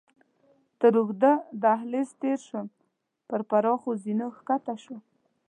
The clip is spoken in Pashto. تر اوږده دهلېز تېر شوم، پر پراخو زینو کښته شوم.